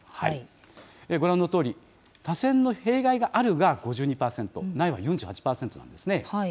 ご覧のとおり、多選の弊害があるが５２％、ないは４８％なんですね。